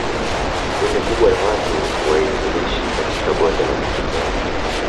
Kundi kubwa la watu wailishi katika Bonde la Litembo